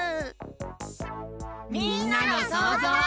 みんなのそうぞう。